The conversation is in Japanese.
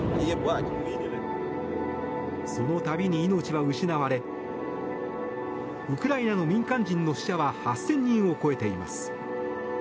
その度に命は失われウクライナの民間人の死者は８０００人を超えています。